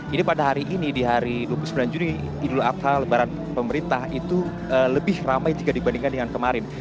ini pada hari ini di hari dua puluh sembilan juni idul adha lebaran pemerintah itu lebih ramai jika dibandingkan dengan kemarin